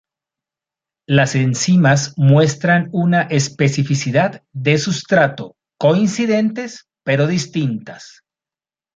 Las enzimas muestran una especificidad de sustrato coincidentes pero distintas.